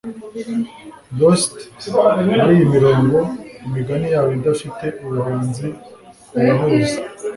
Dost muriyi mirongo imigani yabo idafite ubuhanzi irahuza;